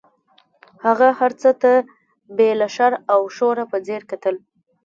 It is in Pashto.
هغه هر څه ته بې له شر او شوره په ځیر کتل.